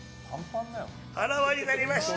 あらわになりました。